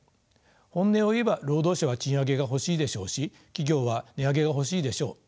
本音を言えば労働者は賃上げが欲しいでしょうし企業は値上げが欲しいでしょう。